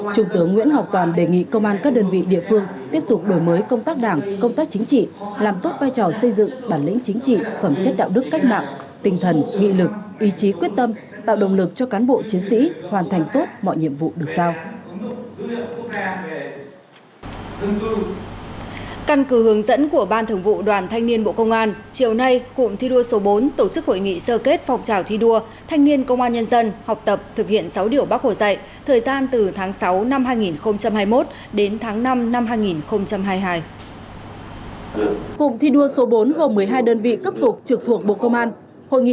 trung tướng nguyễn ngọc toàn cục trưởng của công tác đảng và công tác chính trị chủ trì hội nghị giao ban công tác đảng và công tác chính trị thành phố trực thuộc trung ương